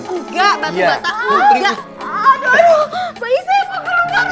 enggak batu bata